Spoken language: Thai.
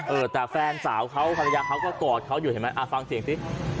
เออแต่แฟนสาวเขาภรรยาเขาก็กอดเขาอยู่เห็นไหมอ่ะฟังเสียงสิ